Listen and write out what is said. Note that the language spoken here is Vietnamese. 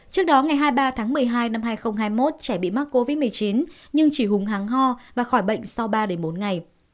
trước đó ngày hai mươi ba tháng một mươi hai năm hai nghìn hai mươi một trẻ bị mắc covid một mươi chín nhưng chỉ hùng háng ho và khỏi bệnh sau ba bốn ngày